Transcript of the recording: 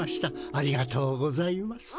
ありがとうございます。